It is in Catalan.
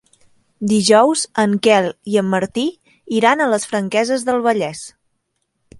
Dijous en Quel i en Martí iran a les Franqueses del Vallès.